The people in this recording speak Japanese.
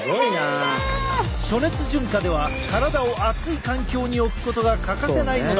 暑熱順化では体を暑い環境に置くことが欠かせないのだ。